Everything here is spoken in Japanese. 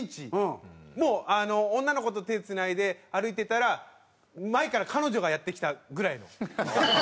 女の子と手つないで歩いてたら前から彼女がやって来たぐらいの。